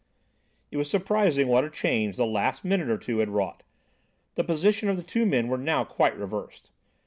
It was surprising what a change the last minute or two had wrought. The positions of the two men were now quite reversed.